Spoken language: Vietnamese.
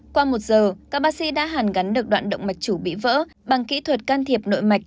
qua một giờ các bác sĩ đã hàn gắn được đoạn động mạch chủ bị vỡ bằng kỹ thuật can thiệp nội mạch